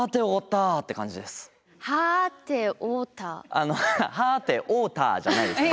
あの「はておた」じゃないですね。